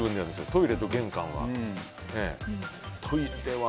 トイレと玄関は。